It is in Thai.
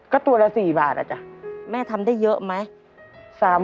ก็ตัวละ๔บาทอ่ะจ๊ะแม่ทำได้เยอะไหม